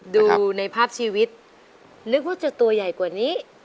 ดูในภาพชีวิตนึกว่าจะตัวใหญ่กว่านี้